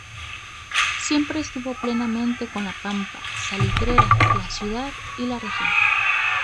Siempre estuvo plenamente con la pampa salitrera, la ciudad y la región.